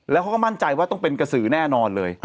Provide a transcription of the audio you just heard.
แล้วก็มั่นใจต้องเป็นกษือแน่นอนเลย